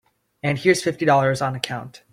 And here's fifty dollars on account.